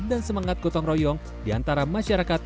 dan semangat kutong royong di antara masyarakat